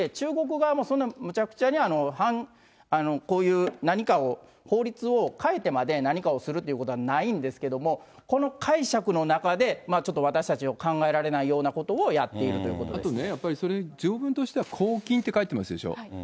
なので、中国側もそんなむちゃくちゃにこういう何かを、法律を変えてまで何かをするっていうことはないんですけども、この解釈の中で、まあ、ちょっと私たちには考えられないようなことをやっているといあとねやっぱりそれ、条文としては拘禁って書いてますでしょ。